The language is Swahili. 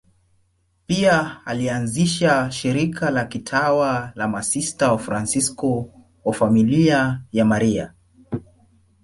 Pia alianzisha shirika la kitawa la Masista Wafransisko wa Familia ya Maria.